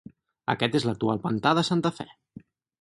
Aquest és l'actual Pantà de Santa Fe.